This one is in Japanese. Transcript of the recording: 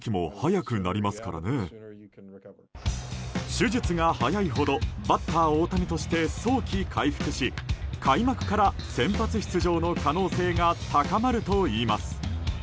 手術が早いほどバッター大谷として早期回復し開幕から先発出場の可能性が高まるといいます。